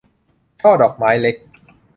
ช่อดอกไม้เล็ก